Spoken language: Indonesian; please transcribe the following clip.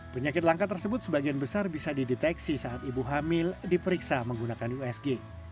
penyakit langka tersebut sebagian besar bisa dideteksi saat ibu hamil diperiksa menggunakan usg